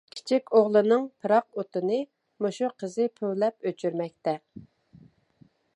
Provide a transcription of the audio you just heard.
كىچىك ئوغلىنىڭ پىراق ئوتىنى مۇشۇ قىزى پۈۋلەپ ئۆچۈرمەكتە.